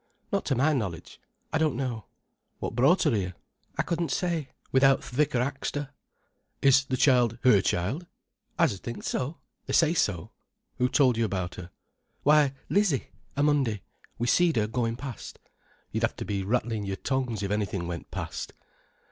"Not to my knowledge. I don't know." "What brought her here?" "I couldn't say, without th' vicar axed her." "Is the child her child?" "I s'd think so—they say so." "Who told you about her?" "Why, Lizzie—a Monday—we seed her goin' past." "You'd have to be rattling your tongues if anything went past."